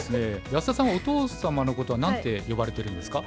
安田さんはお父様のことは何て呼ばれてるんですか？